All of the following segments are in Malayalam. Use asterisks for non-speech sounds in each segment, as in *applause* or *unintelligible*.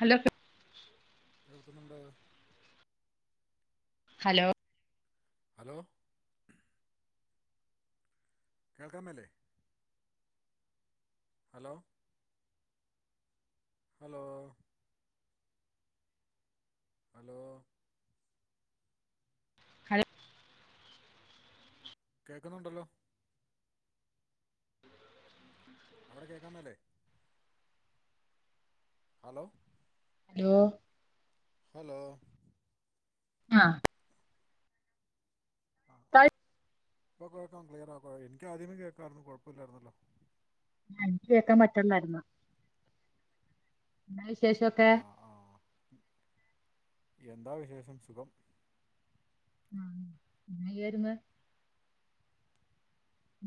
ഹലോ? കേൾക്കുന്നുണ്ടോ? ഹലോ? ഹലോ? കേൾക്കുനിലൊ ഹലോ? ഹലോ? ഹലോ? ഹ കേൾക്കുന്നുണ്ടല്ലോ. അവിടെ കേൾക്കാൻ മേലേ? ഹലോ? ഹലോ? ഹലോ? ആഹ് ആ ഇപ്പൊ കേക്കാം ക്ലിയറ *unintelligible* എനിക്ക് ആദ്യമേ കേക്കാരുന്നു കുഴപ്പില്ലരുന്നല്ലോ. എനിക്ക് കേക്കാൻ പറ്റള്ളായിരുന്നു എന്നാ വിശേഷക്കെ. ആഹ് എന്താ വിശേഷം സുഖം. ആഹ് ന്നിആയിരുന്നു.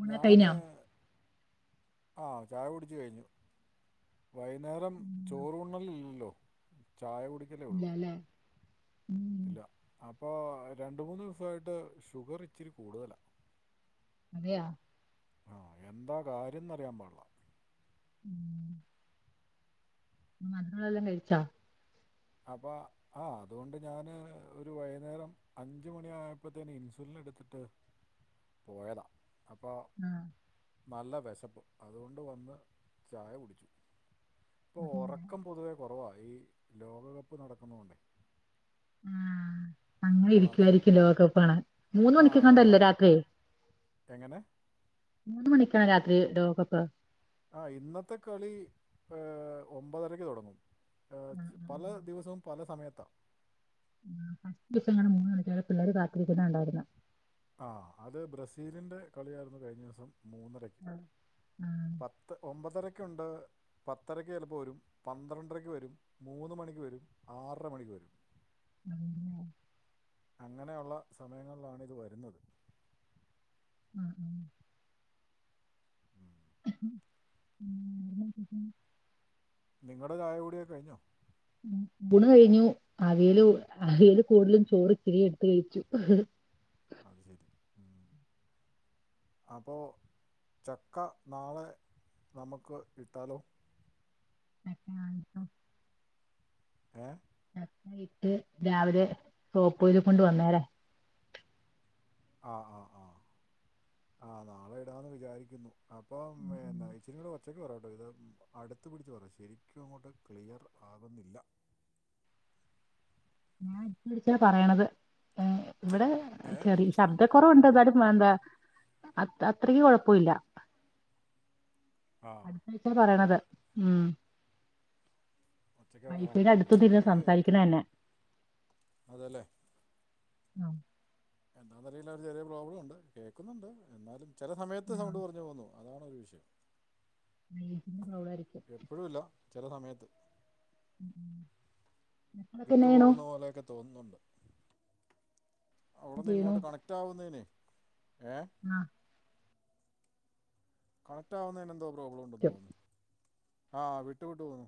ഊണൊക്കെ ഞാന് കഴിഞ്ഞോ ആഹ് ചായ കുടിച്ചു കഴിഞ്ഞു. വൈകുന്നേരം ചോറ് ഉണ്ണല് ഇല്ലല്ലോ ചായ കുട ഇല്ലലേ ഉം ഇല്ല അപ്പോ രണ്ട് മൂന്ന് ദിവസായിട്ട് ഷുഗർ ഇച്ചിരി കൂടുതലാ അതെയാ ആഹ് എന്താ കാര്യംന്ന് അറിയാ പാടില്ല ഉം മക്കളെല്ലാ കഴിച്ചാ അപ്പ ആഹ് അതുകൊണ്ട് ഞാന് ഒരു വൈന്നേരം അഞ്ച് മണിയായപ്പോത്തേന് ഇൻസുലിൻ എടുത്തിട്ട് പോയതാ അപ്പൊ ആഹ് നല്ല വിശപ്പ് അതുകൊണ്ട് വന്ന് ചായ കുടിച്ചു ഇപ്പോ അതില്ല. ഉറക്കം പൊതുവെ കുറവാണ് ഈ ലോകകപ്പ് നടക്കുന്ന കൊണ്ടേ ആഹ് അങ്ങനെ അപ്പോൾ അതിൽ ഇരിക്കുവായിരിക്കു ലോകകപ്പ് കാണാൻ മൂന്ന് ആ കാണാം മണിക്കങ്ങാണ്ടല്ലെ രാത്രി എങ്ങനെ മൂന്ന് മണിക്കാ രാത്രി ലോകപ്പ് ആഹ് ഇന്നത്തെ കളി ഒമ്പതരക്ക് തുടങ്ങും ആഹ് ആഹ് പല ദിവസവും പല സമയത്താ ഉം *unintelligible* മൂന്നുണിക്ക് പിള്ളേര് കാത്തിരിക്കുന്ന കാണ്ടായിരുന്നു ആഹ് അത് ബ്രസീലിന്റെ കളിയായിരുന്നു കഴിഞ്ഞ ദിസം മൂന്നര ഉം ആഹ് പത്ത് ഒമ്പതരക്കുണ്ട് പത്തരയ്ക്ക് ചിലപ്പോ വരും പന്ത്രണ്ടരയ്ക്ക് വരും മൂന്ന് മണിക്ക് വരും ആറര മണിക്ക് വരും ഉം അങ്ങനെയുള്ള സമയങ്ങളിലാണ് ഇത് വരുന്നത് ഉം ഉം *inaudible* *unintelligible* നിങ്ങടെ ചായ കൂടിയൊകെ കഴിഞ്ഞോ ബുണ് കയിഞ്ഞു അവിയല് അവിയല് കൂടുതലും ചോറ് ഇത്തിരിം എടുത്ത് കഴിച്ചു അത് ശരി ഉം അപ്പൊ ചക്ക നാളെ നമുക്ക് ഇട്ടാലോ *unintelligible* ഏഹ് ന ഇട്ട് രാവിലെ സോപ്പോല് കൊണ്ട് വന്നേരെ ആഹ് ആഹ് ആഹ് ആഹ് നാളെ ഇടാന്ന് വിചാരിക്കുന്നു അപ്പം ഉം, ഉം. നയച്ചിരിടെ ഉച്ചക്ക് പറയാട്ടോ ഇത് അടുത്ത് പിടിച്ച് പറ ശരിക്കും അങ്ങോട്ട് ക്ലിയർ ആവുന്നില്ല ഞാനിച്ചിരിച്ച പറയണത് ഏഹ് ഇവിടെ ഏ ചെറി ശബ്ദക്കുറവുണ്ട് എന്താലും എന്താ അത് അത്രക്ക് കൊഴപ്പല്ല ആഹ് ച്ച പറയണത് ഉം ഒച്ചയ്ക്ക് ആ വൈഫിന്റെ അടുത്ത് ഇവിടെ തിരുന്ന് സംസാരിക്കണന്നെ അതേലേ ആഹ് എന്താന്നറിയില്ല ഒര് ചെറിയ പ്രോബ്ലം ഉണ്ട് കേക്കുന്നുണ്ട് എന്നാലും ചെല ആ, സമയത്ത് സൗണ്ട് കുറഞ്ഞു പോവുന്നു. അതാണൊരു വിഷയം മീറ്റിംഗ് ഫൗളായിരി എപ്പഴുല്ല. ചെല സമയത്ത്. മക്കളൊക്കെ എന്നാ ചെയ്യണു വിട്ടുപോകുന്ന പോലെ ഒക്കെ തോന്നുന്നുണ്ട്. എന്നാ അവിടുന്ന് ചെയ്യണു ഇങ്ങോട്ട് കണക്റ്റാവുന്നേനെ ഏഹ് ആഹ് കണക്റ്റാകുന്നേന് എന്തോ പ്രോബ്ലം ഉണ്ടെന്ന് തോന്നുന്നു. ആഹ് വിട്ടു വിട്ട് പോവുന്നു.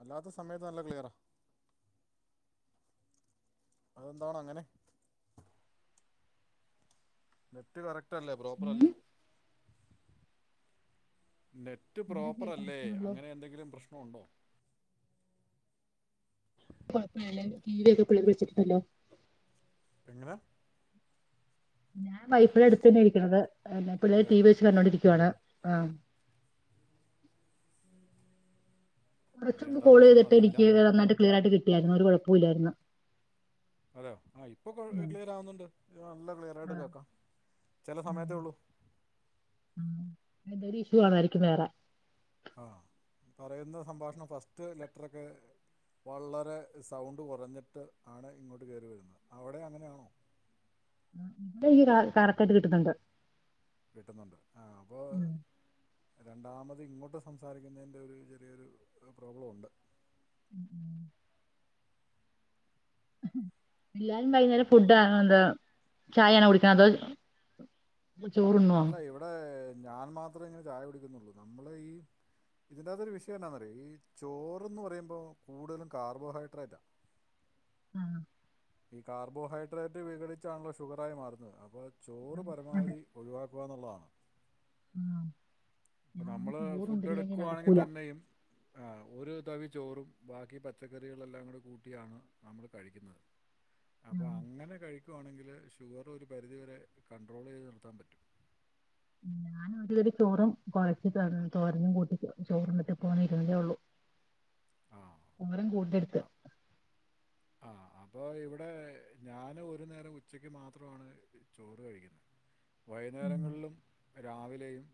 അല്ലാത്ത സമയത്ത് നല്ല ക്ലിയറാ. അതെന്താണങ്ങനെ? നെറ്റ് കറക്റ്റല്ലേ ഉം പ്രോപ്പറല്ലേ? നെ റ്റ് ഇവിടെ പ്രോപ്പറല്ലേ കേൾക്കാണല്ലോ അങ്ങനെ എന്തെങ്കിലും പ്രശ്ന ഉണ്ടോ? *unintelligible* പ്പെങ്ങനെ ഞാൻ വൈഫെ അടുത്തെന്നെ ഇരിക്ക്ണത്. ഏഹ് ന്നെ അതെ പിള്ളേര് ടിവി അല്ലേ വെച്ച് കണ്ടോണ്ടിരിക്കുവാണ്. ആഹ് പിന്നെ കൊറച്ചുമ്പ് എന്താ കോൾ പ്രശ്നം ചെയ്തിട്ട് എന്നറിയില്ല എനിക്ക് നന്നായിട്ട് ക്ലിയറായിട്ട് കിട്ടിയായിരുന്നു ഒരു കൊഴപ്പോല്ലായിരുന്നു അതെയോ ആഹ് ഇപ്പൊ കൊ ക്ലിയറാവുന്നുണ്ട്. നല്ല ക്ലിയറായിട്ട് ആഹ് കേക്കാം. ചെലെ സമയത്തേ ഒള്ളൂ. ആഹ് എന്തേ ഒരു ഇഷ്യൂ ആണായിരിക്കും വേറെ ആഹ് പറയുന്ന സംഭാഷണം ഫസ്റ്റ് ലെറ്റ്റൊക്കെ വളരെ സൗണ്ട് കൊറഞ്ഞിട്ട് ആണ് ഇങ്ങോട്ട് കേറി വരുന്നത് അവിടെം അങ്ങനെ ആണോ ആഹ് ഇവിടെ *unintelligible* കറക്റ്റായിട്ട് കിട്ടുന്നുണ്ട് കിട്ടുന്നുണ്ട് ആഹ് അപ്പോ ഉം രണ്ടാമത് ഇങ്ങോട്ട് സംസാരിക്കുന്നതിൻ്റെ ഒരു ചെറിയൊരു പ്രോബ്ല ഉണ്ട്. ഉം ഉം എല്ലാരും വൈകുന്നേരം അപ്പോൾ അങ് ഫുഡാണോ എന്ത് ചായയാണൊ കുടിക്കെണ് അതോ ഇല്ല ചോറുണ് അല്ല ഇവിടേ ഞാൻ മാത്രേ ഇങ്ങനെ ചായ കുടിക്കുന്നുള്ളു നമ്മളെ ഈ ഇതിൻ്റകത് ഒരുവിഷയം എന്നാനറിയോ ഈ ചോറ്ന്ന് പറയുമ്പോ കൂടുതലും കാർബോഹൈഡ്രേറ്റാ. ആഹ് ഈ കാർബോഹൈഡ്രേറ്റ് വിഘടിച്ചാണല്ലൊ ഷുഗറായി മാറുന്നത് അപ്പൊ ചോറ് അതെ പരമാവധി ഒഴിവാക്കുക ന്നുള്ളതാണ്. ആഹ് ഇപ്പൊ ഞാൻ നമ്മള് ഫുഡ്ഡ് ചോറുണ്ടില്ലെങ്കിൽ എടുക്കുവാണെങ്കി നടക്കൂല തന്നെയും ആഹ് ഒരു തവി ചോറും ബാക്കി പച്ചക്കറികളെല്ലാംകൂടെ കൂട്ടിയാണ് നമ്മള് കഴിക്കുന്നത്. അപ്പ ആഹ് അങ്ങനെ കഴിക്കുവാണെങ്കില് ഷുഗർ ഒരു പരിധിവരെ കണ്ട്രോളൈത് നിർത്താൻ പ ഉം ഞാന് ഒരുപിടി ചോറും കൊറച്ച് തൊര തോരനും കൂട്ടി ചോറ്ന്നിട്ട് ഇപ്പൊവന്ന് ഇരുന്നതേ ഒള്ളൂ. ആഹ്. ഉമ്മരം കൂട്ടി ട്ത്ത് ആഹ് അപ്പൊ ഇവിടെ ഞാന് ഒരു നേരം ഉച്ചക്ക് മാത്രമാണ് ചോറ് കഴിക്കുന്നെ. ഉം വൈന്നേരങ്ങളിലും രാവിലേയും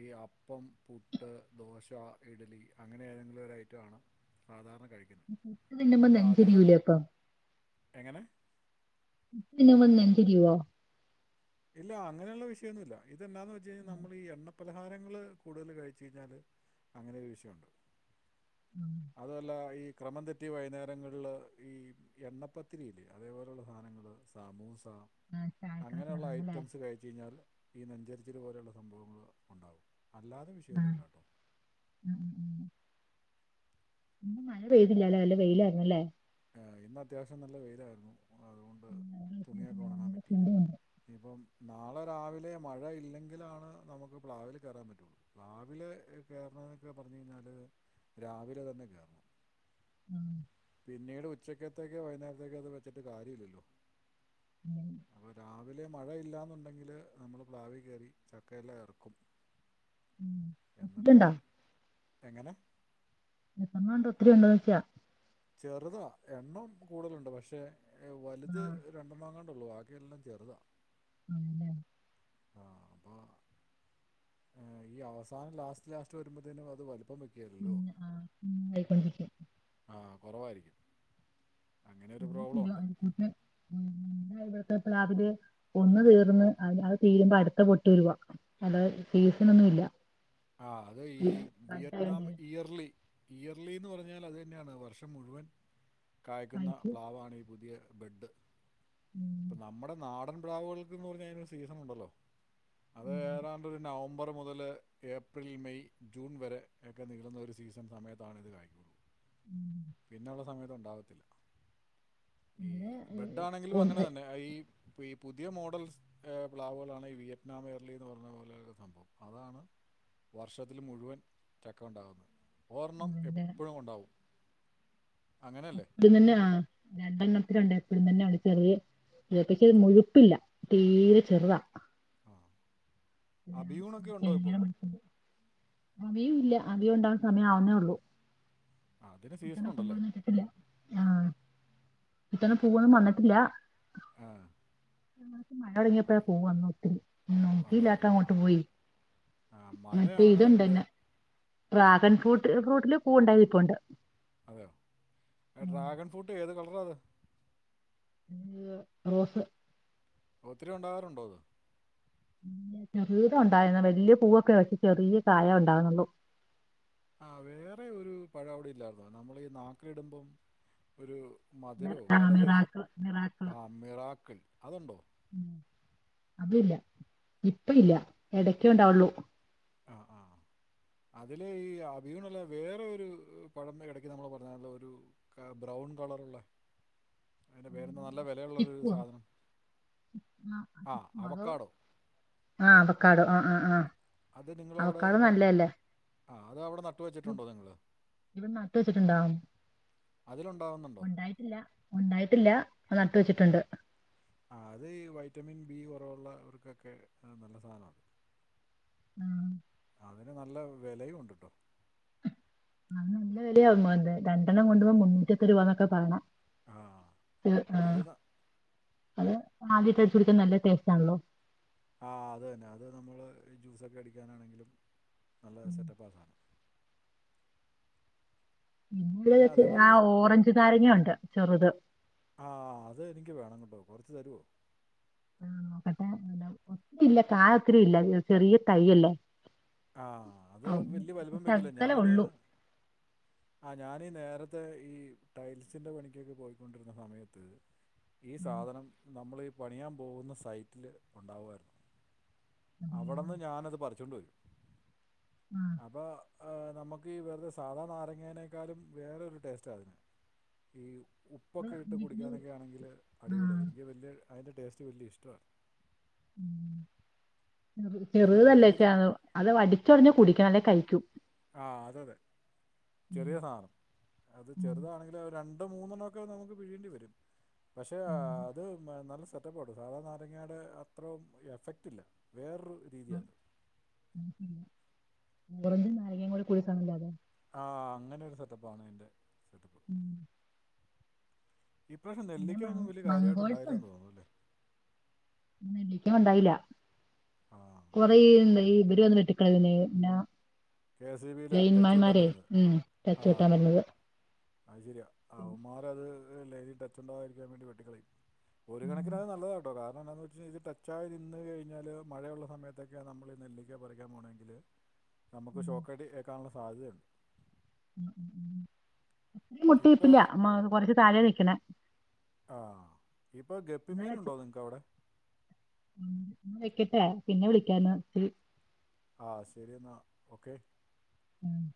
ഈ അപ്പം, പുട്ട്, ദോശ, ഇഡ്ലി അങ്ങനെ ഏതെങ്കിലും ഒരു ഐറ്റമാണ് സാധാരണ കഴിക്ക്ന്നെ. പുട്ട് തിന്നുമ്പം നെഞ്ചെരിയൂലെ അപ്പം. എങ്ങനെ പുട്ട് തിന്നുമ്പം നെഞ്ചെരിവോ. ഇല്ല അങ്ങനെയുള്ള വിഷയൊന്നുല്ല ഇതെന്നാന് വെച്ചൈഴ്നാ നമ്മള് ഈ എണ്ണ പലഹാരങ്ങള് കൂടുതൽ കഴിച്ചൈ ഴിഞ്ഞാല് അങ്ങനെ ഒരു വിഷയുണ്ടാവും അതു അല്ലാ ഈ ക്രമം തെറ്റി വൈന്നേരങ്ങളില് ഈ എണ്ണപ്പത്തിരിയില്ലേ അതേപോലെയുള്ള സാനങ്ങള് സാമൂസ ആ ചായക്കട അങ്ങനെയുള്ള ഐ കൊണ്ടന്നല്ലേ ത് കഴിച്ചഴിഞ്ഞാൽ ഈ നെഞ്ചരിച്ചില് പോലെയുള്ള സംഭവങ്ങൾ ഉണ്ടാവും അല്ലാതെ ആ വിഷയൊന്നുല്ലാട്ടോ ഉം ഉം ഇന്ന് മഴ പെയ്തില്ലലേ നല്ല വെയിലായിര്ന്നല്ലേ എഹ് ഇന്ന് അത്യാവശ്യം നല്ല വെയിലായിരുന്നു അതുകൊണ്ട് തുണിയൊക്കെ ഒണങ്ങാൻ പറ്റി ചൂടുണ്ട് ഇനിഇപ്പം നാളെ രാവിലെ മഴ ഇല്ലെങ്കിലാണ് നമുക്ക് പ്ലാവില് കേറാൻ പറ്റുള്ളൂ പ്ലാവില് കേറണം ന്നൊക്കെ പറഞ്ഞു കഴിഞ്ഞാല് രാവിലെ തന്നെ കേറണം ഉം പിന്നീട് ഉച്ചക്കത്തേക്കോ വൈന്നേരത്തേക്കോ അത് വെച്ചിട്ട് കാര്യല്ലല്ലോ അപ്പൊ രാവി ലെ മഴ ഇല്ലാന്നുണ്ടെങ്കില് നമ്മൾ പ്ലാവി കേറി ചക്കയെല്ലാം ഇറക്കും ഉം എന്നിട്ട് ഒത്തിരിണ്ടോ എങ്ങനെ എത്രണ്ണോണ്ട് ഒത്തിരി ഉണ്ടോന്നോയ്ച്ചാ ചെറുതാ എണ്ണം കൂടുതലുണ്ട് പക്ഷേ ആ വലുത് രണ്ടെണ്ണങ്ങാണ്ടൊള്ളൂ ബാക്കിയെല്ലാം ചെറുതാ ആണല്ലേ ആഹ് അപ്പ ഈ അവസാനം ലാസ്റ്റ് ലാസ്റ്റ് വരുമ്പത്തേനു അത് വലുപ്പം വെക്കും ഉം ആഹ് ഉം വെക്കും വെക്കും ആഹ് കുറവായിരിക്കും അങ്ങനെരു പ്രോബ്ലം ഉണ്ട് ന്ന്ട്ട് *inaudible* ഇവ്ടത്തെ പ്ലാവില് ഒന്ന് തീർന്ന് അത് തീരുമ്പോ അടുത്ത പൊട്ട് വരുവാ അല്ലാ സീസനൊന്നും ഇല്ല ആഹ് അത് ഈ വിയറ്റ്നാം ഇയർലി ഇയർലിന്ന് പറഞ്ഞാൽ അത് തന്നെയാണ് വർഷം മുഴുവൻ കായ്ക്കുന്ന കായ്ച്ച് പ്ലാവാണ് ഈ പുതിയ ബെഡ് ഉം ഇപ്പൊ നമ്മുടെ നാടൻ പ്ലവുകൾക്ക്ന്ന് പറഞ്ഞാ അയ്നൊരു സീസണുണ്ടല്ലോ അത് ഉം ഏതാണ്ടൊരു നവംബർ മുതല് ഏപ്രിൽ, മെയ്, ജൂൺ വരെ ഒക്കെ നിളുന്ന ഒരു സീസൺ സമയത്താണ് ഇത് കായ്ക്കൊള്ളു പിന്നള്ള സമയത്ത് ഉണ്ടാവത്തില്ല ഈ ഇവിടെ ബെഡ് ഏ, ആണെങ്കിലും അങ്ങനെ തന്നെ ഈ ഈ പുതിയ മോഡൽസ് ഏഹ് പ്ലാവുകളാണ് ഈ വിയറ്റ്നാം എയർലിന്ന് പറഞ്ഞ പോലെ സംഭവം അതാണ് വർഷത്തിൽ മുഴുവൻ ചക്ക ഉണ്ടാവുന്നഹ് അഹ് ഓർണ്ണം ഒന്ന് എപ്പഴും ഉണ്ടാവും അങ്ങനെയല്ലേ ത്ങ്ങൻന്നെ ആഹ് രണ്ടെണ്ണത്തിലുണ്ട് എപ്പഴും തന്നെയുള്ള ചെറിയേ പക്ഷെത് മുഴുപ്പില്ല തീരെ ചെറ്താ ആഹ് അഭ്യൂണൊക്കെ ഉണ്ടോ ഇപ്പം അവിയുഇല്ല അവിയുഉണ്ടാവുന്ന സമയം ആവുന്നേ ഒള്ളൂ ആ, അതിന് സീസൺ ഇത്തവണ ഉണ്ടല്ലേ പൂവൊന്നും ഇട്ടിട്ടില്ല ആഹ് ഇത്തവണ പൂവൊന്നും വന്നിട്ടില്ല ആഹ് കഴിഞ്ഞ പ്രാവശ്യം മഴ തുടങ്ങിയപ്പോയാ പൂവൊന്നുഇട്ടത് വന്നത് *unintelligible* ആ അങ്ങോട്ട് പോയി ആ മറ്റേ മഴയാണ് അതിൻ്റെ ഇതുണ്ടന്ന്. ഡ്രാഗൺ ഫ്രൂട്ട് ഫ്രൂട്ടില് പൂവ് ഉണ്ടായി നിപ്പുണ്ട്. അതെയോ. ഡ്രാഗൺ ഫ്രൂട്ട് ഏത് കളറാ അത് *unintelligible* റോസ് ഒത്തിരി ഉണ്ടാകാറുണ്ടോ അത്? ചെറുതാ ഉണ്ടായിരുന്ന. വലിയ പൂവൊക്കെ വെച്ച് ചെറിയ കായ ഉണ്ടാവുന്നുള്ളു. ആ വേറെ ഒരു പഴം അവിടി ഇല്ലായിരുന്നോ നമ്മൾ ഈ നാക്കെ ഇടുമ്പം ഒരു മധുരോ ആ പല സൈസിൽ മിറാക്കിള് ആ മിറാക്കിൽ അതുണ്ടോ? അതില്ല. ഇപ്പ ഇല്ല. ഇടക്കെ ഉണ്ടാവുള്ളൂ. ആ ആ അതില് ഈ അഭീണല്ല. വേറെ ഒരു പഴം ഇടക്ക് നമ്മൾ പറഞ്ഞല്ലോ. ഒരു ബ്രൗൺ കളറുള്ള അതിന്റെ പേരിന്ന. നല്ല വെലയുള്ളൊരു ചിക്കുവോ സാധനം. ആ അവക്കാടോ. ആ അവക്കാഡോ. ആഹ് ആഹ് ആഹ് അത് അവക്കാഡോ നിങ്ങളവിടെ നല്ലലല്ലേ. ആ അത് അവെടെ നട്ടുവെച്ചിട്ടുണ്ടോ നിങ്ങള്. ഇവിടെ നട്ട് വെച്ചിട്ടുണ്ടോ അതിലുണ്ടാവുന്നോണ്ടോ? ഒണ്ടായിട്ടില്ല. ഒണ്ടായിട്ടില്ല. നട്ട് ഉം. വെച്ചിട്ടൊണ്ട്. ആ അത് ഈ വൈറ്റമിൻ ബി കൊറവുള്ളവർക്കൊക്കെ നല്ല സാധനാവ. ആം. അതിന് നല്ല വെലയുണ്ടല്ലോ. അത് നല്ല വെലയാമ്പോ തോന്നെ. രണ്ടെണ്ണം കൊണ്ടു പോ മുന്നൂറ്റിമൂപ്പത് രൂപന്നൊക്കെ പറയണേ. ആ ഇത് ആ അത് ന- അത് അതിൽ തേച്ച് കൊടുക്കാൻ നല്ല ടേസ്റ്റാണല്ലോ. ആഹ് അത് തന്നെ. അത് നമ്മള് ഈ ജ്യൂസൊക്കെ അടിക്കാനാണെങ്കിലും. നല്ല സെറ്റപ്പാ ആ സാധനം. പിന്നെ *unintelligible* അതേപോലെ ആ നി- ഓറഞ്ച് നാരങ്ങ ഒണ്ട് ചെറുത്. ആ അത് എനിക്ക് വേണം കേട്ടോ. കൊറച്ച് തരുവോ? *unintelligible* ഇല്ല കാ ഒത്തിരിയില്ല. ചെറിയ തൈയല്ലേ. ആഹ് അത് ആ, വല്യ വലുപ്പം വെക്കില്ല. ശകലം ഞാന്. ഉള്ളൂ ആ ഞാനീ നേരത്തെ ഈ ടൈൽസിന്റെ പണിക്കൊക്കെ പോയിക്കൊണ്ടിരുന്ന സമയത്ത് ഈ സാധനം നമ്മളി പണിയാൻ പോവുന്ന സൈറ്റില് ഉണ്ടാകുവാരുന്നു. അവടെന്ന് ആഹ് ഞാനത് പറിച്ചോണ്ട് വെരും. ആം. അപ്പ ആഹ് നമ്മക്ക് ഈ വെറുതെ സാധാ നാരങ്ങാനേക്കാളും വേറൊരു ടേസ്റ്റാതിന്. ഈ ഉപ്പൊക്കെ ഇട്ട് ആഹ് കുടിക്കാനെക്കെ ആണെങ്കിൽ അടിപൊളിയാ. എനിക്ക് വെല്യേ അതിൻ്റെ ടേസ്റ്റ് വെല്യാ ഇഷ്ടവാ. ഉം, അത് ഒരുവിധം ചെറുതല്ലേച്ചാന്ന്. അത് വടിച്ചോടനെ കുടിക്കണം അല്ലേ കയ്ക്കും. ആ അതതെ. ഉം ചെറിയ സാധനം. അത് ഉം ചെറുതാണെങ്കില് രണ്ട് മൂന്നെണ്ണക്കെ നമുക്ക് പിഴിയണ്ടി വെരും. പക്ഷെ ഉം അത് നല്ല സെപ് ഇഷ്ടപ്പെടും. സാധാ നാരങ്ങാടെ അത്രയും എഫക്റ്റില്ല. വേറൊരു അത് രീതിയത്. ഓറഞ്ചും നാരങ്ങയും കൂടെ കൂടി കലർന്നൊള്ളതാ. ആ അങ്ങനെ ഒരു സെറ്റപ്പാണ് അയിന്റെ. ഉം ഈ പ്രാവശ്യം പിന്നെ മ നെല്ലിക്കയൊന്നും വെല്യാ കാര്യവായിട്ട് മങ്കോൾസ് ഒണ്ടായില്ലാന്ന് തോന്നുന്നുവല്ലേ. നെല്ലിക്ക ഒണ്ടായില്ല. ആ കൊറെ ഇവര് വന്ന് വെട്ടി കളഞ്ഞെന്നേ. എന്നാ കെ എസ് ഇ ബിയിൽ ടച്ച് കിട്ടാൻ ലൈൻമാൻമാരെ വരുന്നത് ഉം ടച്ച് വെട്ടാൻ ആഹ് വെരുന്നത്. അത് ശരിയാ. അവമാരത് ലൈനിൽ ടച്ച് ഉണ്ടാവാതിരിക്കാൻ വേണ്ടി വെട്ടിക്കളയും. ഒരു ഉം കണക്കിനത് നല്ലതാട്ടോ. കാരണം എന്നാന്ന് വെച്ച് കഴിഞ്ഞാ ഈ ടച്ച് ച്ചായി നിന്ന് കഴിഞ്ഞാല്, മഴയൊള്ള സമയത്തൊക്കെയാ നമ്മള് ഈ നെല്ലിക്ക പറിക്കാൻ പോണെങ്കില് നമ്മെക്ക് ഉം ഷോക്കടിയേക്കാനൊളള സാധ്യതയുണ്ട്. ഇപ്പോൾ മുട്ടിയിപ്പില്ല. മ് കൊറെച്ച് താഴെയാ നിക്കണെ. ആഹ് ഇപ്പൊ എന്നാ വെച്ച് ഗപ്പിമീനൊണ്ടോ നിങ്ങെക്ക് അവെടെ? ഉം വെക്കെട്ടെ. പിന്നെ വിളിക്കാന്ന് ഇത്തിരി. ആഹ് ശെരി എന്നാ ഓക്കെ. ഉം